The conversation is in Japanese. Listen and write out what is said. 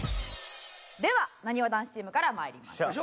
ではなにわ男子チームから参りましょう。